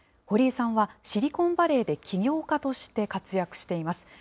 堀江さんはシリコンバレーで企業家として活躍しています。